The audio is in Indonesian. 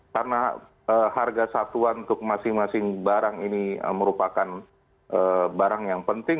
karena harga satuan untuk masing masing barang ini merupakan barang yang penting